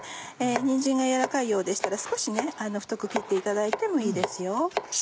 にんじんがやわらかいようでしたら少し太く切っていただいてもいいですよ。